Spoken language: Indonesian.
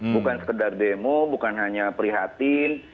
bukan sekedar demo bukan hanya prihatin